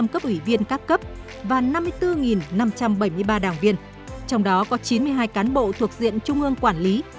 một mươi tám hai trăm sáu mươi năm cấp ủy viên các cấp và năm mươi bốn năm trăm bảy mươi ba đảng viên trong đó có chín mươi hai cán bộ thuộc diện trung ương quản lý